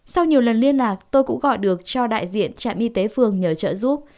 sau nhiều lần liên lạc tôi cũng gọi được cho đại diện trạm y tế phường nhờ trợ giúp